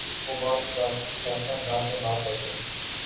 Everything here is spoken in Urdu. وہ بہت شائستہ انداز میں بات کرتے